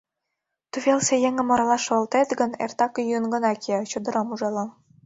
Тувелсе еҥым оролаш шогалтет гын, эртак йӱын гына кия, чодырам ужала.